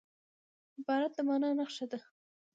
عبارت د مانا نخښه ده.